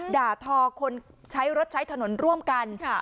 ด่าทอคนใช้รถใช้ถนนร่วมกัน